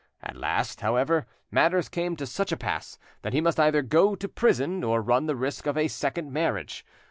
At last, however, matters came to such a pass that he must either go to prison or run the risk of a second marriage.